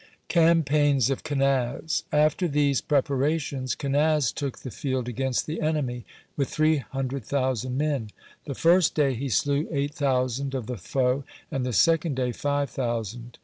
CAMPAIGNS OF KENAZ After these preparations Kenaz took the field against the enemy, with three hundred thousand men. (15) The first day he slew eight thousand of the foe, and the second day five thousand.